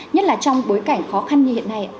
nhất là trong bối cảnh khó khăn như hiện nay